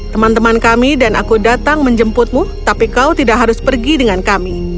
teman teman kami dan aku datang menjemputmu tapi kau tidak harus pergi dengan kami